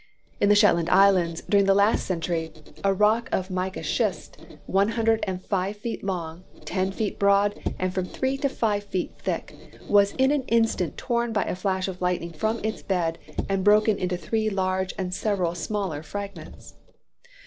In the Shetland Isles, during the last century, a rock of mica schist, one hundred and five feet long, ten feet broad, and from three to five feet thick, was in an instant torn by a flash of lightning from its bed, and broken into three large and several smaller fragments.